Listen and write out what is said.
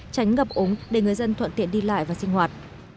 tránh ngập úng để người dân thuận tiện đi lại và sinh hoạt